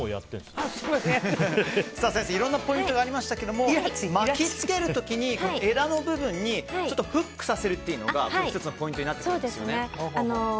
先生、いろいろなポイントがありましたけど巻き付ける時に枝の部分にフックさせるっていうのが１つのポイントになってくるんですね。